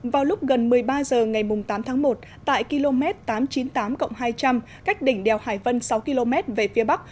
vào lúc gần một mươi ba h ngày tám tháng một tại km tám trăm chín mươi tám hai trăm linh cách đỉnh đèo hải vân sáu km về phía bắc